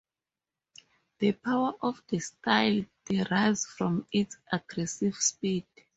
The power of the style derives from its aggressive speed.